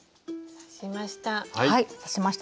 刺しました。